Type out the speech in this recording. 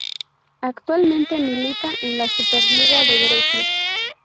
Actualmente milita en la Superliga de Grecia.